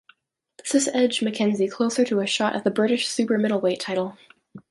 This has edged McKenzie closer to a shot at the British super-middleweight title.